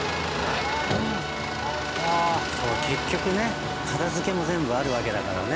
結局ね片付けも全部あるわけだからね。